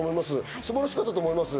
素晴らしかったと思います。